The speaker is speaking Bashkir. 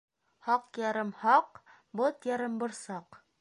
Хаҡ ярым хаҡ, бот ярым борсаҡ.